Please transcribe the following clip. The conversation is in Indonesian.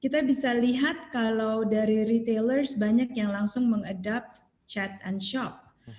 kita bisa lihat kalau dari retailers banyak yang langsung mengadopt chat and shop